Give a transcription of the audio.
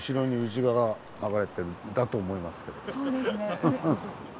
そうですね。